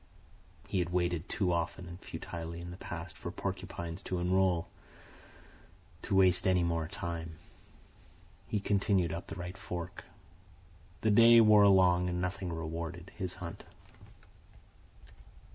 He had waited too often and futilely in the past for porcupines to unroll, to waste any more time. He continued up the right fork. The day wore along, and nothing rewarded his hunt.